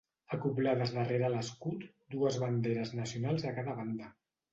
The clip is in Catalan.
Acoblades darrere l'escut, dues banderes nacionals a cada banda.